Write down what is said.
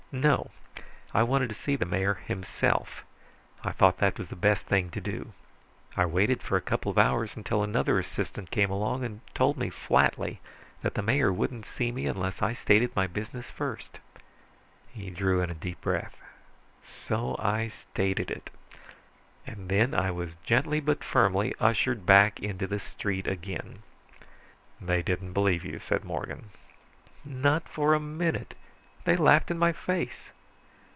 "No. I wanted to see the mayor himself. I thought that was the best thing to do. I waited for a couple of hours, until another assistant came along and told me flatly that the mayor wouldn't see me unless I stated my business first." He drew in a deep breath. "So I stated it. And then I was gently but firmly ushered back into the street again." "They didn't believe you," said Morgan. "Not for a minute. They laughed in my face."